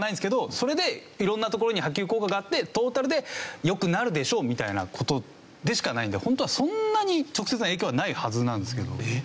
それで色んなところに波及効果があってトータルで良くなるでしょうみたいな事でしかないんで本当はそんなに直接の影響はないはずなんですけど。